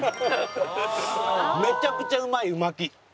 めちゃくちゃうまいう巻き。